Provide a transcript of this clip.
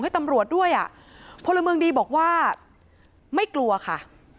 ตำรวจด้วยอ่ะพลเมืองดีบอกว่าไม่กลัวค่ะ